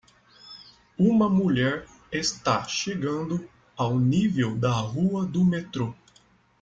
Uma mulher está chegando ao nível da rua do metrô.